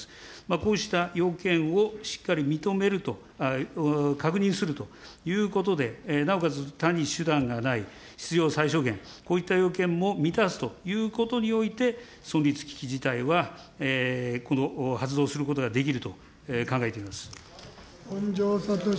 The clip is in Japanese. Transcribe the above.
こうした要件をしっかり認めると、確認するということで、なおかつ、他に手段がない、必要最小限、こういった要件も満たすということにおいて、存立危機事態は発動することができると考えています。